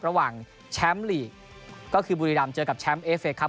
ระหว่างแชมป์ลีกก็คือบุรีรำเจอกับแชมป์เอฟเคครับ